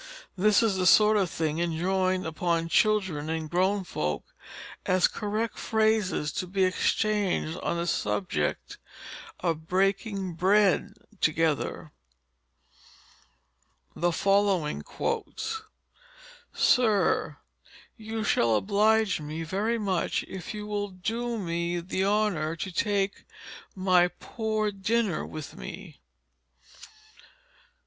This is the sort of thing enjoined upon children and grown folk as correct phrases to be exchanged on the subject of breaking bread together: "Sir, you shall oblige me very much if you will do me the honour to take my poor dinner with me.